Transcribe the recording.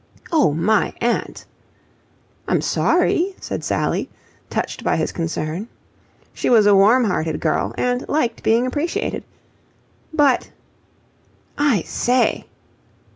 "Oh, my aunt!" "I'm sorry," said Sally, touched by his concern. She was a warm hearted girl and liked being appreciated. "But..." "I say..."